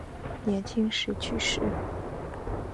年轻时去世。